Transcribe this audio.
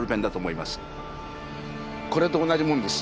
これと同じもんです。